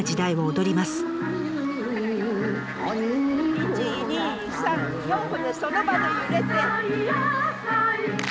１２３４歩でその場で揺れて。